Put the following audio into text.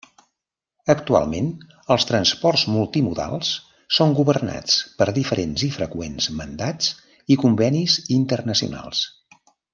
Actualment els transports multimodals són governats per diferents i freqüents mandats i convenis internacionals.